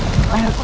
jangan lupa telfon